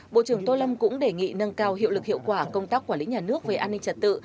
bộ trưởng tô lâm cũng đề nghị nâng cao hiệu lực hiệu quả công tác quản lý nhà nước về an ninh trật tự